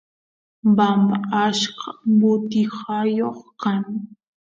bamba achka butijayoq kan